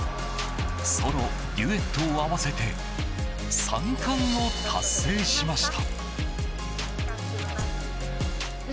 ソロ、デュエットを合わせて３冠を達成しました。